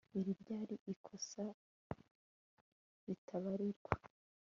iri ryari ikosa ritababarirwa